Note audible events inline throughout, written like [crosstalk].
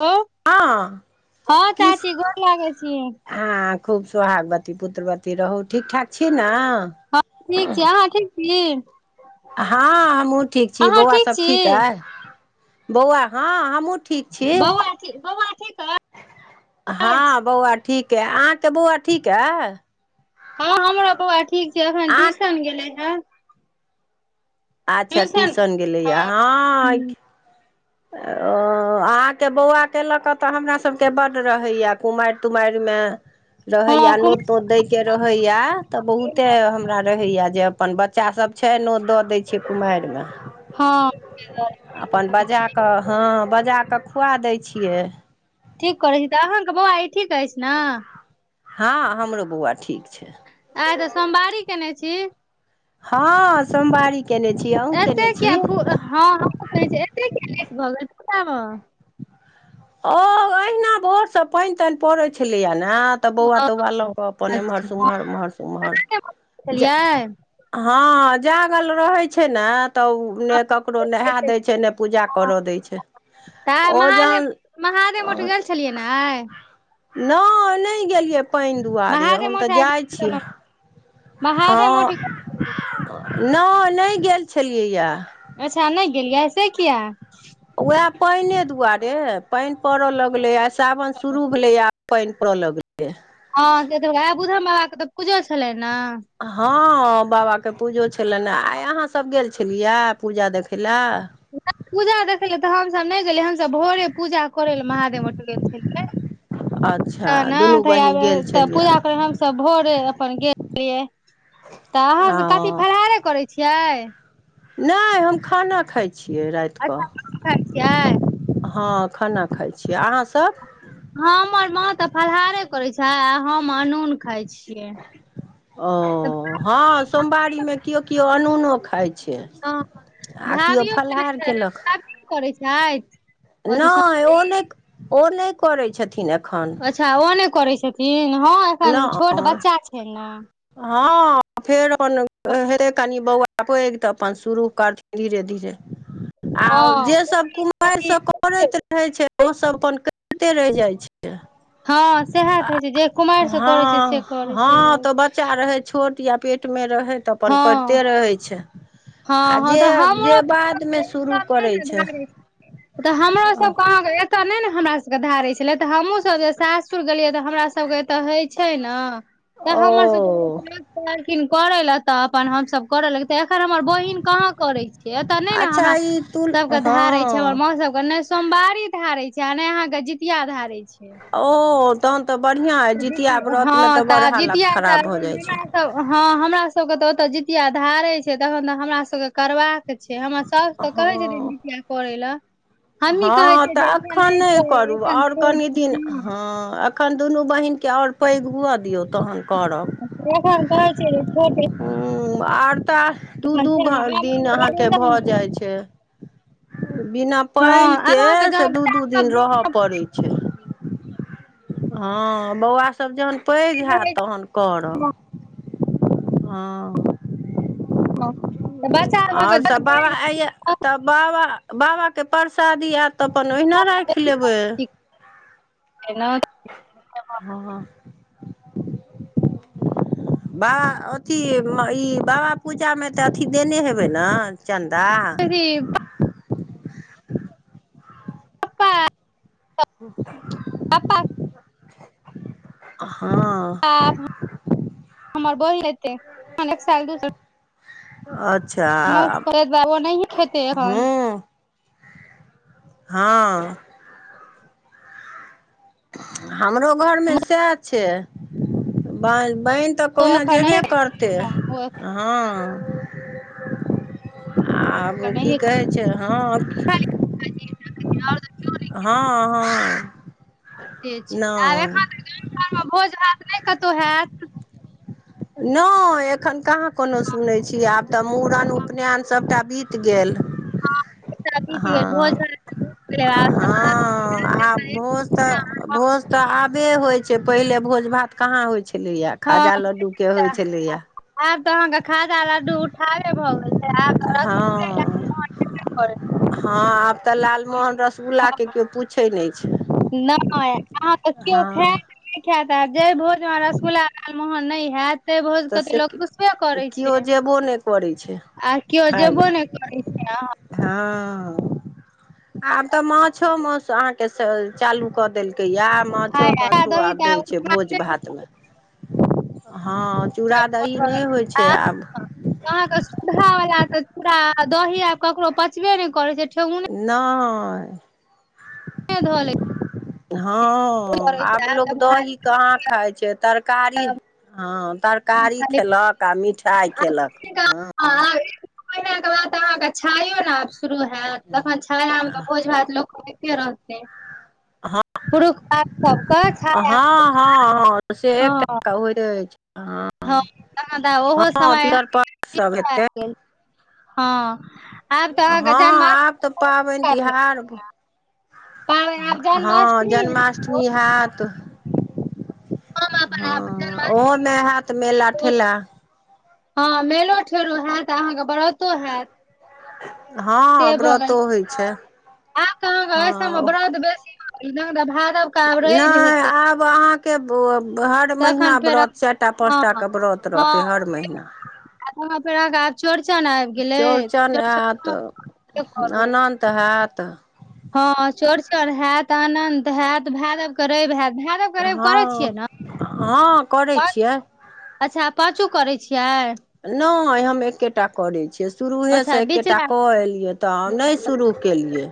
[unintelligible] हँ हां चाची गोर लागै छी। हां खूब सोहागवती, पुत्रवती रहू, ठीक-ठाक छी नै? हम ठीक छीयै, अहाँ ठीक छी? हां हम्हूँ ठीक छी, अहाँ बौआ सब छी ठीक ऐ, बौआ हां हम्हूँ ठीक छी बौआ ठीक बौआ ठीक अछि हां बौआ ठीक ऐ, अहाँ के बौआ ठीक ऐ? हां हमरा बौआ ठीक छै अखन अहाँ ट्यूशन गेलै हेँ। अच्छा ट्यूशन गेलै यै हां की ओ अहाँ के बौआ के लऽ कऽ तऽ हमरा सब के बड्ड रहैया कुमाएर तुमाएर मे रहैया हँ कुमार नोत-तोत दय के रहैया तऽ बहुते हमरा रहैया जे अपन बच्चा सब छै, नोत दऽ दै छीयै कुमाएर मे हँ अपन बजा क अ हाॅं बजा कऽ खुआ दय छियै। ठीक करै छी तऽ अहाँके बौआ ई ठीक ऐछ नै। हाॅं हमरो बौआ ठीक छै आय तऽ सोमवारी केनय छी। हाॅं सोमवारी केने छियौ। एते किया पु हाॅं हम्हुं केने छियै एते किया लेट भऽ गेलो पुजा में? औ अहिना भोर से पैन-तैन पड़ै छलै यै नै। तऽ हँ बौआ-तौआ लऽ कऽ अपन इम्हर अच्छा से अहाँ उम्हर उम्हर-उम्हर नहि बजै जाय छलियै हाॅं जागल रहै छै नै तऽ उ उ नै ककरो नहाए दै छै नै पूजा हँ करऽ दै छै तऽ ओ महादेव जहन महादेव ओठह गेल छलियै नै आय? नै-नै गेलियै पैन दुआरे महादेव हम मठ तऽ आ जाय छियै। गेल महादेव मठ हाॅं न नै गेल छलिए यै। अच्छा नहि गेलियै से किआ। उएह पइने दुआरे पइन पड़ऽ लगलै आ सावन शुरू भेलै ये। पइन पड़ै लगलै। हाॅं से त बुधा बाबा के तऽ पुजो छलै ने हाॅं बाबाके पूजो छलनि हाॅं आइ अहाँसभ गेल छलियै पूजा देखय लए। नहि पूजा देखै ल तऽ हमसभ नहि गेलियै हमसभ भोरे पूजा करै लए महादेव उठाह गेल छलियै। अच्छा हाॅं न दुनू त तऽ बहिन आबे गेल तऽ छलियै पूजा करै हम सब भोरे अपन गेलियै तऽ अहाँ सब कथी ओ फलहारे करै छियै। नहि हम खाना खाइ छियै राति अच्छा खाना खाय छियै। हाॅं खाना खाइ छियै। अहाँसभ? हमर माँ तऽ फलहारे करैत छै हम अनून खाइ छियै। ओ हँ सोमवारीमे केओ केओ अनूनो खाइ छै। हँ आ केओ भाभियो करैत फलाहार छै? केलक भाभितो करैत छथि? अथी नहि ओ सौंदरी नहि ओ नहि करैत छथिन एखन। अच्छा ओ नहि करै छथिन हँ एखन छोट नहि बच्चा छैन ने हँ फेर अपन हेतै कनि बौआ पैघ तऽ अपन शुरू करथिन धीरे धीरे आओर हँ जेसभ कुमायेर अथी से करैत रहै छै ओसभ अपन करिते रहि जाइत छै। हँ सएह तऽ होइ छै जे कुमारि से करै छै से हँ करे हँ रहै तऽ छै। बच्चा रहै छोट या पेटमे रहै तऽ अपन करिते रहै छै। आ हाँ जे तऽ हमरो जे बादमे शुरू सब करै छै [unintelligible] तऽ हमरो सब मां गे एते ने ने हमरा सब के धारे छले त हमहु सब सास स गेलियै तऽ हमरा सबके एते हे छै ने तऽ ओ हमर सबके [unintelligible] खिन करे ले तऽ अपन हमस करऽ लग त एखन हमर बहिन कहाँ करे छ एतऽ नहि ने अच्छा हमरा ई तुल सबके हँ धारै छै हमर म सब के ने सोमवारी धारे छै आ नहि अहाँ के जीितिया धारे छै‌। ओ तहन तऽ बढ़िआँ अइ जितिया व्रतमे हँ तऽ बड़ आब हालत जितिया खराब भऽ जाइ छै। हमरा तऽ हँ हमरा सबके तऽ ओतऽ जीितिया धारे छै तखन तऽ हमरा सबके करबाक छै हमरा साउस त कहै छथिन हँ जितिया करै लए। हमही कहै हँ छियै तऽ जे एखन नहि करै करू एखन आओर छोट कनि दिन हँ आ तखन दुनू बहिनके आओर पैघ हुअ दियौ तहन करब प घ त छट [unintelligible] हूँ आर तऽ दू छै दूग आगाँ दिन अहाँके बढ़बै। भऽ जाइ छै। बिना हँ पानिके आगाँके से जहन दू बच्चा दू दिन सब देख रहय कऽ पड़ैत छै। हँ बौआ सभ जहन पैघ हयत तहन करब [unintelligible] हँ हँ [unintelligible] आओर सभ बाबा आइये त बाबा बाबाके परसादी आयत तऽ अपन ओहिना राखि लेबै। [unintelligible] केना हँ बाबा अथी ई बाबा पूजामे तऽ अथी देने हेबै ने चन्दा? [unintelligible] पप्पा ह पप्पा हँ। आब हमर बहिन एतै एखन एक साल दु अच्छा। मास करै दुवारे ओ नहिये खेतेय एहन। हूँ हँ। हमरो घरमे सएह छै ब बैन त मौसो कहुना एखन जेबे नहिये करतै। हँ ओ हँ आब ओ एखन की नहिये खेतै कहै छैय, हँ और कि। [inaudible] हँ- हँ। होइते छैय। आब नहि एखन त गाम घरमे भोज भात नहि कतौ हैत। नय एखन कहाँ कोनो सुनै छियै आब त मूड़न उपनैन सभटा बीत बीत गेल। हँ [inaudible] हं आब भोज त भोज त आबे होइ छैय पहिले भोज भात कहाँ होइ छलैया हँ खाजा लड्डू के होइ छलैया। आब त अहाँके खाजा लड्डू उठाबे भ गेल छैय। आब रसगुल्ले हँ लालमोहन [inaudible] हँ आब त लालमोहन रसगुल्लाके क्यो पूछै नै। नै अहाँके किओ हँ खाएत नै खैत आ जै भोजमे रसगुल्ला लालमोहन नै हैत तै तऽ भोजके त से लोग दुसबे करै केओ छैय जेबो नहि करै छै आर किओ खाय जेबो लए नै करै छैय। [inaudible] हँ आब त मांछो माउस अहां के स चालू क देलकैया आब मांछो खाय आ तांछो दही आब तऽ दै छैय भोज उठाबे भातमे। हँ चूड़ा दही आ नै होइ छैय आब। अहाँके सुधा वला त चूरा- दही आब ककरो पचबे नै करै छैय ठेहुने नय। ध लेय हँ आब छै लोग तऽ दही कहाँ खाइ छैय। तरकारी हँ तरकारी खाली खाली खेलक आ मिठाइ खेलक हँ। दू महिनाके बाद त अहाँके छायो ने आब शुरू हैत तखन छायामे त भोज- भात लोकके होेइते रहतै पुरुख पातर हँ- हँ- हँ त सेहे हँ एकटा होइ रहै छैय। हँ त ओहो समय पियर अहांके पट सब नजदीके हेतै आबि गेल हं। हँ आब त पाबैन तिहार पाबनि आब हँ जन्माष्टमी हैत ओ जन्माष्टमी हैत। हम अपन हँ आब ओहोमे हैत मेला जन्माष्टमी -ठेला हँ मेलो- ठेलो हैत आ अहाँकें ब्रतो हैत। हँ से भ गेल व्रतो होइ हं छै आब त अहाँके अइ सबमे हँ व्रत बेसी भ पूरा भादब नय आब अहाँ के ब हर महिना तखन फेर व्रत चारिटा हँ पाँचटाके व्रत रहतै हर महिना। आगुमे फेर अहाँके आब चौरचन आबि गेलै, त चौरचन करबे करू। तहा त हँ चौरचन हैत, अनंत हैत, भादव के रवि हैत, भादव हँ-हँ करै पाँच छियै। अच्छा पाँचू करै छियै। नहि हम एकेटा करै छियै, शुरूहे अच्छा सँ एकेटा बिचला क एलियै त नहि शुरू केलियै।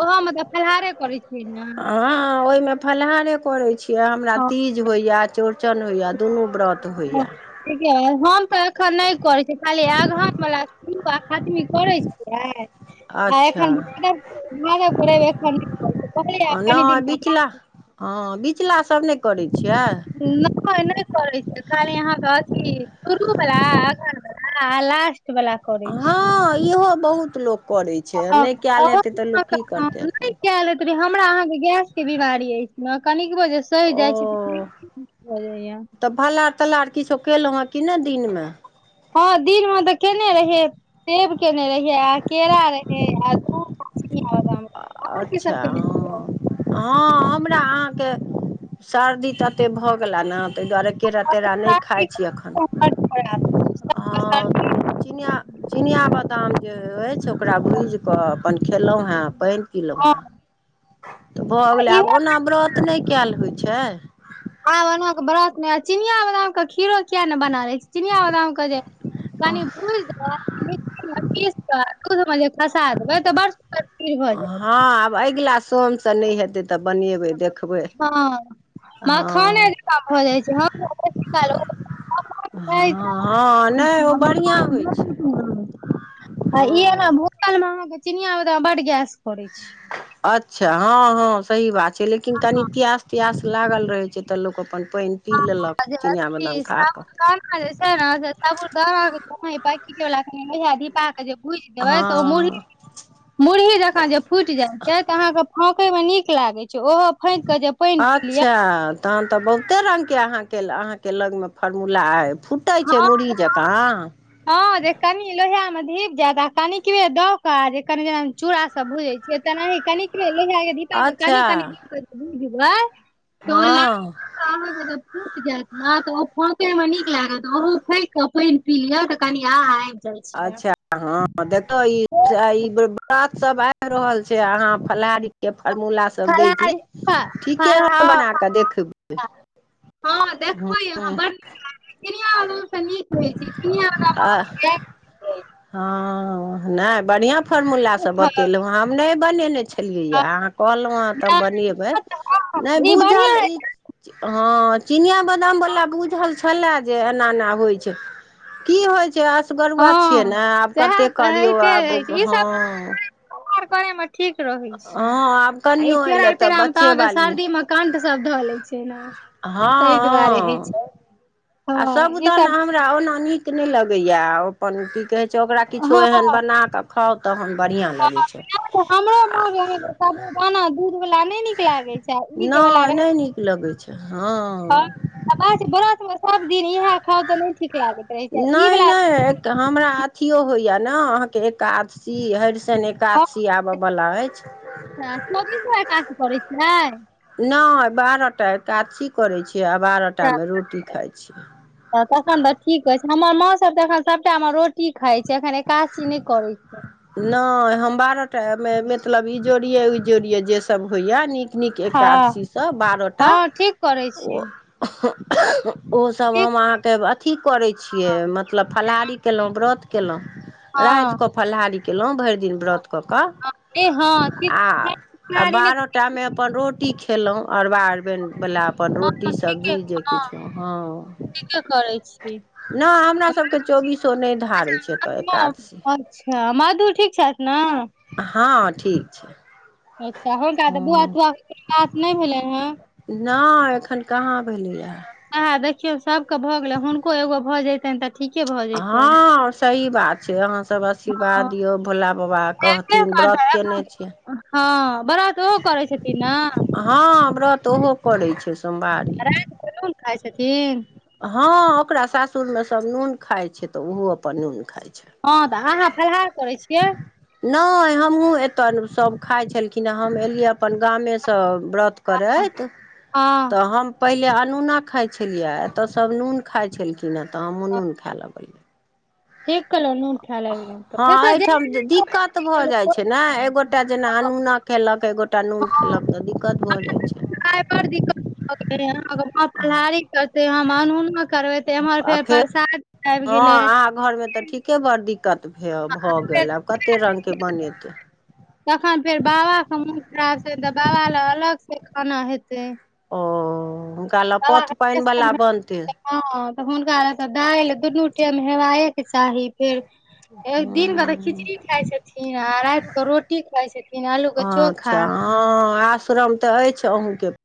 ओहो म त फलहारे करै छियै ने हँ ओयमे फलाहारे करै छी। यै हमरा हँ तीज होइया, चौरचन होइया, दुनू व्रत होइया। ठीके अय हम त एखन नै करै छी, खाली अगहन वला शुरु आ खत्मी करै छी। [unintelligible] हं अच्छा एखन भादवके-भादवके रवि एखन नै करै छी, कहलिअइए कनी नहि दिनके बिचला बाद हँ बिचला सब नै करै छियै। नहि- नहि करै छिअइ खाली अहाँके अथी, शुरू बला अगहन बला आ लास्ट बला। हँ इहो बहुत लोक करै छै, हँ नहि कैल अहूँ हेतै त लोक की करतै नहि अपन। [unintelligible] हमरा अहाँके गैस के बीमारी अछि न, कनिकबो जे सैह जाइ छी त [unintelligible] भ जाइ यऽ। त फलहार-तलहार किछो केलहुँ ह कि नहि दिनमे। हँ दिनमे त केने रहिअइ। सेब केने रहियै आ केरा रहै आ दूध चीनियाबदाम, अहां कि अच्छा सब केने छलौ। हँ हँ हमरा अहाँके सर्दी ततेक भऽ गेला न, ताहि दुआरे केरा-तेरा नहि खाइ छी एखन। हँ चिनिया-चिनिया बदाम जे अछि ओकरा भुजिकऽ अपन खेलहुँ हैं। पानि पील‌ऊ हँ हैं, त भऽ आ गेलै इहो आब ओना व्रत नहि कैल होइ छै। आब ओनहो के ब्रत में, चिनिया बादाम के खीरो किये ने बना लै छी। चिनिया बादाम के जे कनी भुइज देबय, मिक्सी में पीस क दूध म जे खसा देबै तऽ बड़ सुन्दर खीर भऽ जैत। हँ आब अगिला स सोम सँ नहि हेतै तऽ बनेबै देखबै। हँ मखाने हँ हँ जंका भऽ जाइ छै, हम त बेसी काल ओ हँ [unintelligible] नहि ओ बढ़िआँ होइ छै हम्म आ ई एना हँ भूखल में आहांके चिनिया बादाम बड गैस करै छी। अच्छा हँ-हँ सही बात छै, लेकिन कनि प्यास प्यास लागल रहै छै, तऽ लोक अपन पानि पी लेलक, चिनिआ बादाम खा कऽ। आ जे छैन से साबुरदाना के पैकेट बला [unintelligible] पटा क जे भूइज देबय त ओय त मुरही हँ मुरही जंका जे फुटि जाइत छै, तऽ अहाँकेँ फाँकयमे नीक लागैत छै, ओहो फाइक कऽ जे पानि पी लिअ। अच्छा तहन तऽ बहुते रङ्गके अहाँके-अहाँके लगमे फॉर्मुला अइ फू टैइ छै मुड़ही जकाँ ह जे कनि लोहिया में धीप जायत आ कनिकबे द के जे कनि जे चूड़ा सब भुइ सेतनाहि कनिकले लोहिया में धि कनि अच्छा कनि भुजबै तो [unintelligible] हँ अहाँ के ज फूटि जायत ने तऽ ओ फके मे नीक लागत। ओहो फेंक क पैन पी लिय तऽ कनि आ अच्छा हँ देखो इ [unintelligible] ई बेर साग सब आबि रहल छै अहाँ फलाहारी के फॉर्मूला स सब दै फलाहार छी ठीके हम बना कऽ देखबै। हँं देखबै अहाँ बड़ नीक लाग चिनिया बादाम स नीक रहैत छै चिनिया बादाम में आ अहाँ के गैस बैन जाई छै। हँ नहि बढ़िआँ फॉर्मुला सब छै। बतेलहुँ हम नहि बनेने छी। छलियैए अहाँ कहलहुँ हेँ तऽ हम बनेबै नहि ई बढ़िआँ बुझल होइ ई छै हँ चिनिआ बदामवला बुझल छलय जे एना एना होइत छै। की होइ छै असगरुआ छियै हँ ने आब सएह कतेक करियौ आब हँ र करयमे ठीक रहैत छै हँ आब आ ई कनियो केरा एयलै तेरामे तऽ बच्चे अहाँके बाली सर्दीमे कंठ सब धऽ ले छै ने। ताहि दुआरे होइ हँ-हँ छै आ हँ ई साबूदाना सब हमरा ओना नीक नीक नहि लगैया अपन की कहै छै ओकरा किछो हँ एहन हँ बना कऽ खाउ तहन बढ़िआँ लगै छै आ सबूदाना दूधबला नइ नि नहि नहि नीक लगै छै हँ। आ बाजी ब्रतमे सब दिन इएह खाउ तऽ नहि ठीक लागे। नहि नहि हमरा अथियो होइए ने अहाँके एकादशी हरिशन एक कादशी आबऽ बला अछि अच्छा चौबीसो एकादशी करै छियै [unintelligible] नहि बारह टा एकादशी करैत छियै आ बारह टामे रोटी खाइत छियै। हा तखन तऽ ठीक अछि हमर माँ सब तखन सभटा रोट की खा छै एखन एकादशी नहि कर छै। नहि हम बारह टा मतलब ई जोड़िये ई जोड़िये जेसभ होइए नीक पनीक हँ एकादशीसँ बारहटा हँ ठीक करै ओ छी [unintelligible] ओस हम ठीक अहाँके अथी करै छिए कहलौं मतलब फलाहारी कलहुँ व्रत। कयलहुँ हँ रातिकऽ फलाहारी कलहुँ भरि दिन व्रत। कऽ कऽ हँ ठीक आ अ बारह टा मे अपन रोटी खेलहुं अरबा बला अपन रोटी सब्जी जे किछु ह हँ तऽ करै छी। नहि हमरा सभके चौबीसो नहि धारे छै तऽ एतऽ। [unintelligible] अच्छा मधुर ठीक छथि ने? हँ ठीक छै। अच्छा हुनका तऽ बुआ हँ तुआ के बात नहि भेले हे। नहि एखन कहाँ भेलैए। आएा देखियौ सभके भऽ गेलै हुनको एगो भऽ जैतनि तऽ ठीके भऽ जैतनि हँ सही बात छै अहाँसभ हँ आशीर्वाद दियौ भोला बाेबा कह हेबे न करतै व्रत केने एखन। छिय। हँ बड़ त ओ करै छथिन ने? हँ व्रत ओहो पड़ैत छै। सोमवारी राइत क नुन खाइ छथिन? हँ ओकरा सासुर मे सभ नून खाइ छय तऽ ओहो अपन नून खाइ छय। हँ तऽ अहाँ फलहार करै छियै? नइ हमहु एतऽ सब खाइ छलखिन हँ हम एलियै अपन गामे सँ व्रत हँ करैत हँ तऽ हम पहिले अनुना खाइ छलियै एतऽ सब नून खाइ छलखिन हँ तऽ हमहु नून खाय लगलिऐ। ठीक कहलहुँ नून खाय लगलहुँ हँ तऽ जतऽ एहिठाम दिक्कत भऽ जाइत छै ने एगोटा जेना अनूना केलक एकगोटा नून खेलक तऽ दिक्कत भऽ जाइ छय। नय बड़ दिक्कत भ गेलथि सब फलहारी करतय हम अनुना करबय। त एम्हर फेर प्रसाद आबि गेलय। घर मे तऽ ठीके बड़ दिक्कत भ्य भऽ फेर गेल आब कत्ते रंग के बनेतय। तखन फेर बाबा के मुन खराब छय तऽ बाबा ल अलग से खाना हेतय। ओ हुनका लऽ पथ के पानि वाला बनतय। हँ तऽ हुनका ल तऽ दालि दुनू टेम हेवाए के चाही फेर। हे दिन के तऽ हँ खिचड़ी खााय छथिन आ राइत कऽ रोटी खाय छथिन आलू के चोखा। अच्छा हँ आश्रम तऽ अछि अहूँके।